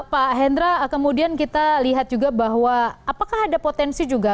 pak hendra kemudian kita lihat juga bahwa apakah ada potensi juga